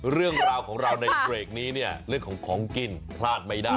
เรื่องราวของเราในเบรกนี้เนี่ยเรื่องของของกินพลาดไม่ได้